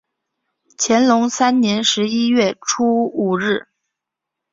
乾隆三年十一月初五日。